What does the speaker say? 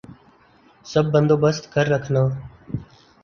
سب بندوبست کر رکھنا